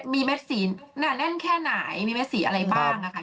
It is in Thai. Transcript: มีเม็ดสีหนาแน่นแค่ไหนมีเม็ดสีอะไรบ้างนะคะ